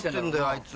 あいつ。